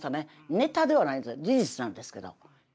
ネタではないんです事実なんですけど。